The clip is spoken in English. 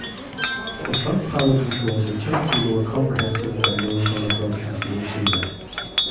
The front panel controls are typically more comprehensive than those on a broadcasting receiver.